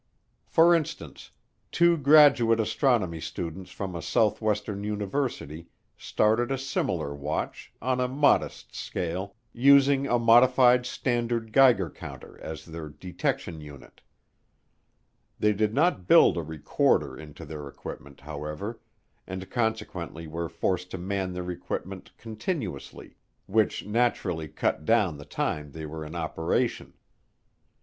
For instance, two graduate astronomy students from a southwestern university started a similar watch, on a modest scale, using a modified standard Geiger counter as their detection unit. They did not build a recorder into their equipment, however, and consequently were forced to man their equipment continuously, which naturally cut down the time they were in operation.